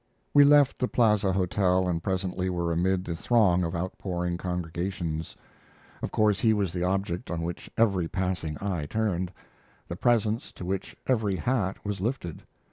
We left the Plaza Hotel and presently were amid the throng of outpouring congregations. Of course he was the object on which every passing eye turned; the presence to which every hat was lifted.